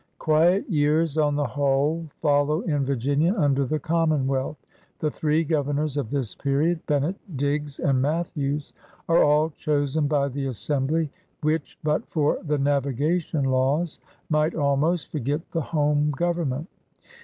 Quiet years, on the whole, follow in Virginia under the Commonwealth. The three Governors of this period — Bennett, Digges, and Mathews — are all chosen by the Assembly, which, but for the Navigation Laws,' might al^^iost forget the Home Government.